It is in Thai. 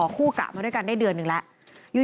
คู่กะมาด้วยกันได้เดือนหนึ่งแล้ว